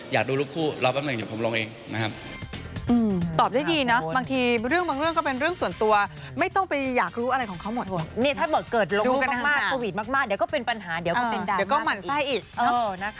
ถ้าเกิดลงโควิดมากเดี๋ยวก็เป็นปัญหาเดี๋ยวก็เป็นดาวมากอีก